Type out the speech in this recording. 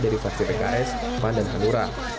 dari faksi pks pan dan kangura